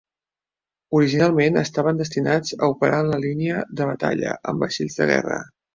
Originalment estaven destinats a operar en la línia de batalla amb vaixells de guerra.